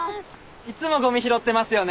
いつもごみ拾ってますよね。